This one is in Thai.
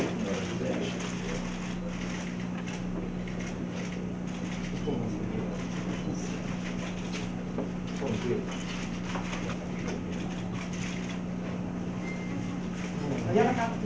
อ๋อไม่มีพิสิทธิ์